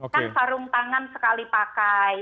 kan sarung tangan sekali pakai